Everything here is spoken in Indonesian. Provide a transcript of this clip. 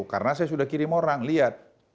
karena saya sudah kirim orang lihat